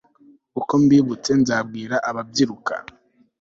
uko mbibutse nzabwira ababyiruka